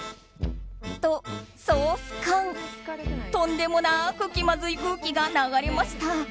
とんでもなく気まずい空気が流れました。